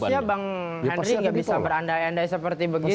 harusnya bang henry nggak bisa berandai andai seperti begitu